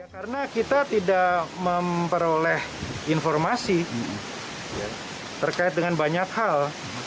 karena kita tidak memperoleh informasi terkait dengan banyak hal